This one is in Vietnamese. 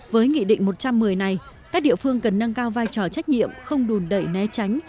với nghị định một trăm một mươi này các địa phương cần nâng cao vai trò trách nhiệm không đùn đẩy né tránh